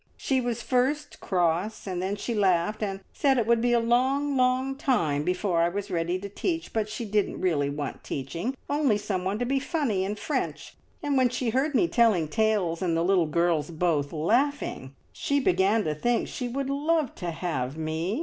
She was first cross, and then she laughed, and said it would be a long, long time before I was ready to teach. But she didn't really want teaching, only someone to be funny in French, and when she heard me telling tales, and the little girls both laughing, she began to think she would love to have me.